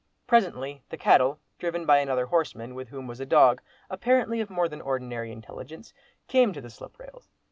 Presently the cattle, driven by another horseman, with whom was a dog, apparently of more than ordinary intelligence, came to the slip rails.